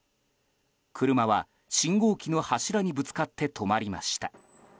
車は信号機の柱にぶつかって止まりました。